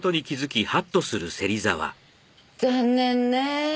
残念ねえ。